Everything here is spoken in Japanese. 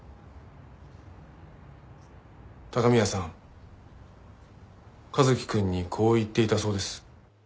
高宮さん一輝くんにこう言っていたそうです。